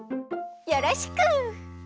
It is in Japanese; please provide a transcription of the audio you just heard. よろしく！